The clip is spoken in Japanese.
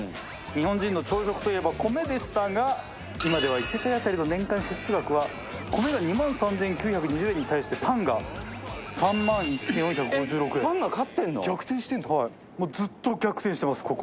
日本人の朝食といえば米でしたが今では１世帯当たりの年間支出額は米が２万３９２０円に対してパンが３万１４５６円。逆転してるんだ。